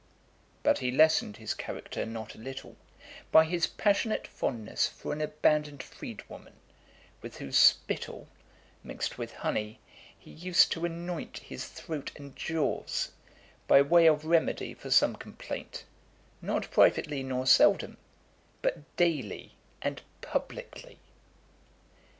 But he lessened his character not a little, by his passionate fondness for an abandoned freedwoman, with whose spittle, mixed with honey, he used to anoint his throat and jaws, by way of remedy for some complaint, not privately nor seldom, but daily and publicly.